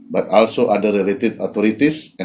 tetapi juga otoritas yang berkaitan